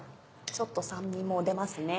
ちょっと酸味も出ますね。